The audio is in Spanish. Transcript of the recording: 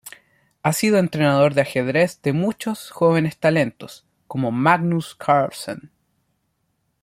Ha sido entrenador de ajedrez de muchos jóvenes talentos, como Magnus Carlsen.